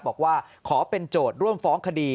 บอกว่าขอเป็นโจทย์ร่วมฟ้องคดี